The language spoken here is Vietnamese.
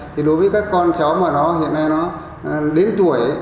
thì đối với các con chó mà nó hiện nay nó đến tuổi ấy